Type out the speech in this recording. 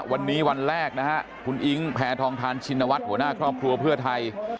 วันนี้วันแรกนะฮะคุณอิ๊งแพทองทานชินวัฒน์หัวหน้าครอบครัวเพื่อไทย